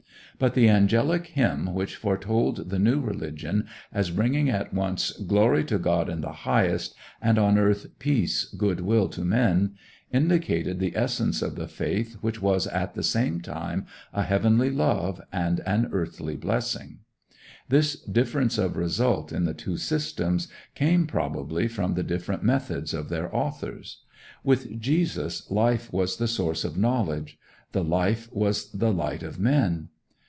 But the angelic hymn which foretold the new religion as bringing at once "Glory to God in the highest, and on earth peace, good will to men" indicated the essence of the faith which was at the same time a heavenly love and an earthly blessing. This difference of result in the two systems came probably from the different methods of their authors. With Jesus life was the source of knowledge; the life was the light of men.